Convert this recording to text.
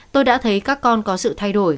tôi đã thấy các con có sự thay đổi